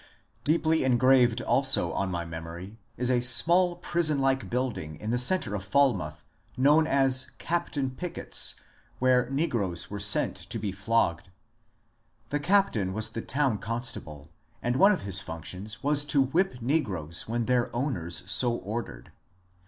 Deeply engraved also on my memory is a small, prison like building in the centre of Falmouth, known as ^'Captain Pickett's," where negroes were sent to be flogged. The cap tain was the town constable, and one of his functions was to whip negroes when their owners so ordered.